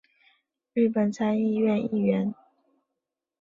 日本参议院议员。